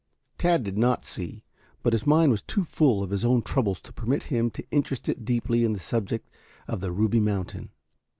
Tad did not see, but his mind was too full of his own troubles to permit him to interest it deeply in the subject of the Ruby Mountain.